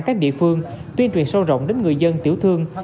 các địa phương tuyên truyền sâu rộng đến người dân tiểu thương